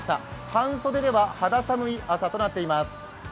半袖では肌寒い朝となっています。